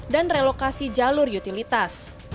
dan relokasi jalur utilitas